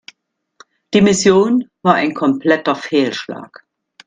Die Mission war ein kompletter Fehlschlag.